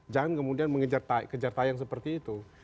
jangan kemudian mengejar kejar tayang seperti itu